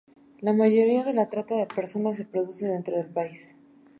La mayoría de la trata de personas se produce dentro del país.